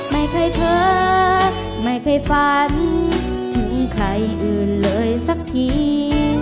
ไม่เคยเผลอไม่เคยฝันถึงใครอื่นเลยสักที